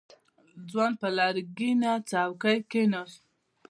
ځوان پر لرګينه څوکۍ کېناست.